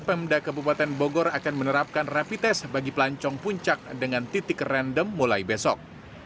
pemda kebupaten bogor akan menerapkan rapi tes bagi pelancong puncak dengan titik random mulai besok